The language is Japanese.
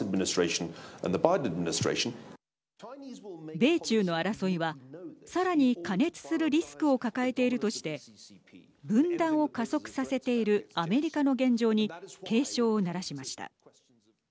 米中の争いはさらに過熱するリスクを抱えているとして分断を加速させているアメリカの現状に警鐘を鳴らしました。